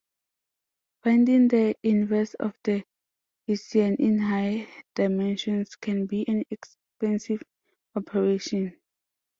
Finding the inverse of the Hessian in high dimensions can be an expensive operation.